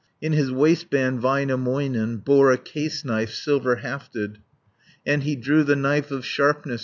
In his waistband Väinämöinen Bore a case knife, silver hafted, And he drew the knife of sharpness.